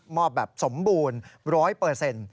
มอบแบบสมบูรณ์๑๐๐